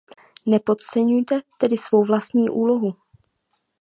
Nepodceňuje tedy svou vlastní úlohu.